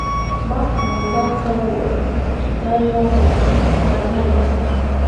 ما قومندان ته وویل چې دا یوه ملکي کورنۍ ده